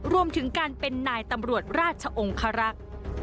รวมถึงการเป็นนายตำรวจราชองคารักษ์